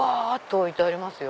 置いてありますよ。